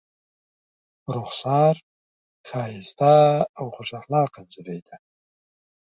رخسار ښایسته او خوش اخلاقه نجلۍ ده.